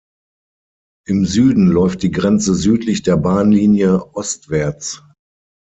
Im Süden läuft die Grenze südlich der Bahnlinie ostwärts.